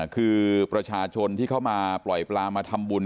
คือประชาชนที่เข้ามาปล่อยปลามาทำบุญ